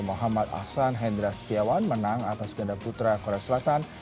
muhammad ahsan hendra setiawan menang atas ganda putra korea selatan